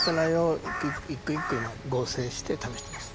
一個一個今合成して試してます。